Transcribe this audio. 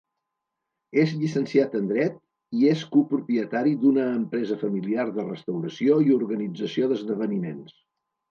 És llicenciat en Dret i és copropietari d'una empresa familiar de restauració i organització d'esdeveniments.